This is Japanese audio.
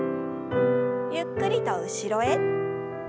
ゆっくりと後ろへ。